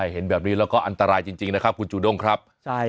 เห็นแบบนี้แล้วก็อันตรายจริงนะครับคุณจูด้งครับ